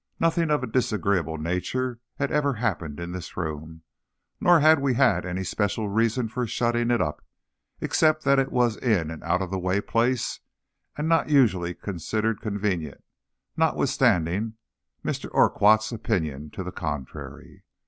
Nothing of a disagreeable nature had ever happened in this room, nor had we had any special reason for shutting it up, except that it was in an out of the way place, and not usually considered convenient, notwithstanding Mr. Urquhart's opinion to the contrary.